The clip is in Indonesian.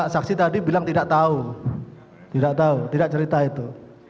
saksi tadi bilang tidak tahu tidak cerita itu